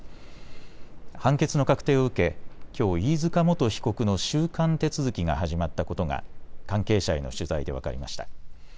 判決の確定を受け、きょう飯塚元被告の収監手続きが始まったことが関係者への取材で分かりました。